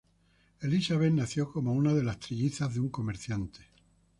Elisabeth nació como una de las trillizas de un comerciante.